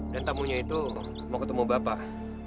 dan tamunya itu mau ketemu bapak